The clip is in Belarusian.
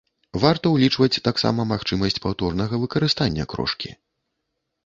Варта ўлічваць таксама магчымасць паўторнага выкарыстання крошкі.